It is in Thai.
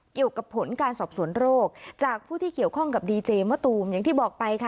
เกี่ยวกับผลการสอบสวนโรคจากผู้ที่เกี่ยวข้องกับดีเจมะตูมอย่างที่บอกไปค่ะ